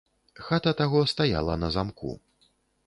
Хата таго стаяла на замку.